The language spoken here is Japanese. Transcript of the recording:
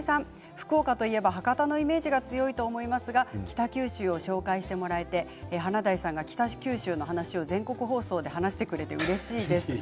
福岡といえば博多のイメージが強いと思いますが北九州を紹介してもらえて華大さんが北九州の話を全国放送で話してくれてうれしいです。